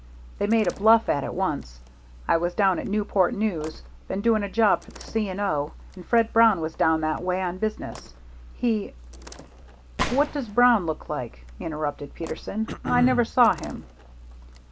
They made a bluff at it once. I was down at Newport News, been doing a job for the C. & O., and Fred Brown was down that way on business. He " "What does Brown look like?" interrupted Peterson. "I never saw him."